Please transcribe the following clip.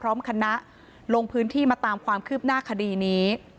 พร้อมคณะลงพื้นที่มาตามความคืบหน้าคดีนี้